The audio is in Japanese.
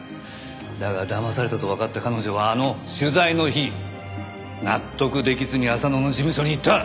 だがだまされたとわかった彼女はあの取材の日納得できずに浅野の事務所に行った。